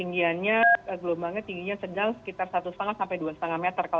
tinggiannya gelombangnya tingginya sedang sekitar satu lima sampai dua lima meter